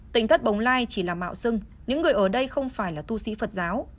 tỉnh thất bồng lai chỉ là mạo dưng những người ở đây không phải là tu sĩ phật giáo